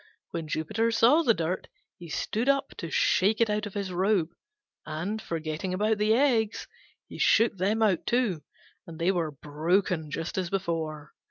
When Jupiter saw the dirt, he stood up to shake it out of his robe, and, forgetting about the eggs, he shook them out too, and they were broken just as before.